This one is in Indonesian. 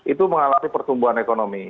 itu mengalami pertumbuhan ekonomi